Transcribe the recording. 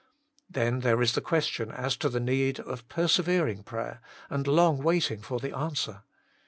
Then there is the question as to the need of persevering prayer, and long waiting for the answer.